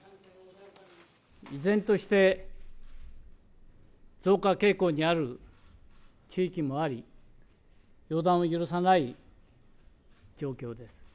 依然として増加傾向にある地域もあり、予断を許さない状況です。